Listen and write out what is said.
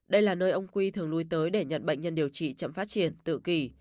đây là nơi ông quy thường lui tới để nhận bệnh nhân điều trị chậm phát triển tự kỷ